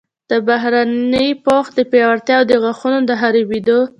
د بهرني پوښ د پیاوړتیا او د غاښونو د خرابیدو